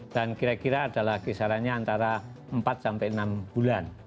dan kira kira adalah kisarannya antara empat sampai enam bulan